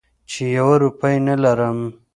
چې یوه روپۍ نه لرم.